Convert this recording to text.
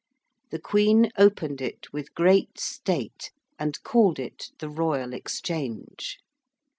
The Queen opened it with great State, and called it the Royal Exchange.